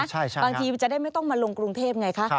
บางทีจะได้ไม่ต้องมาลงกรุงเทพไงคะ